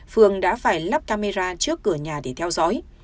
phường đã phải lắp camera trước cửa nhà để theo dõi